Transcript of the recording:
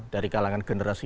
dari kalangan generasi